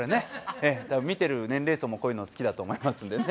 ええ多分見てる年齢層もこういうの好きだと思いますんでね。